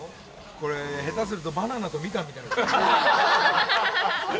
これ下手するとバナナとミカンみたい。